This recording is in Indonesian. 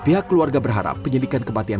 pihak keluarga berharap penyidikan kematian